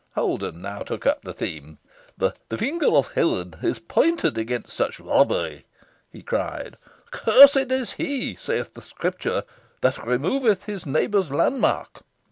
Holden now took up the theme. "The finger of Heaven is pointed against such robbery," he cried. "'Cursed is he,' saith the scripture, 'that removeth his neighbour's landmark.'